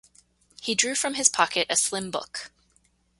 He drew from his pocket a slim book.